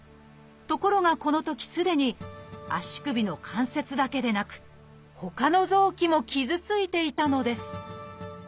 ところがこのときすでに足首の関節だけでなくほかの臓器も傷ついていたのです